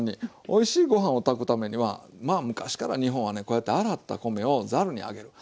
おいしいご飯を炊くためにはまあ昔から日本はねこうやって洗った米をざるに上げる。